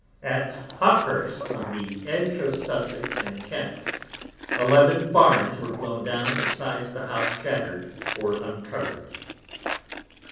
At Hawkhurst, on the Edge of Sussex and Kent, _11 Barnes were blown down, besides the Houses Shatter'd or Uncover'd.